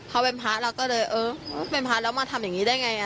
เขาเป็นพระเราก็เลยเออเป็นพระแล้วมาทำอย่างนี้ได้ไง